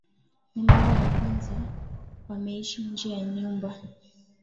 Ni mara ya kwanza wameishi nje ya nyumba.